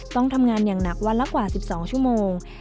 ต้องทำงานอย่างหนักวันละกว่า๑๒ชั่วโมง